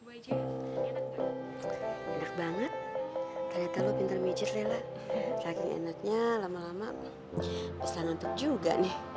enak banget ternyata lu pinter mijit rela saking enaknya lama lama bisa nantuk juga nih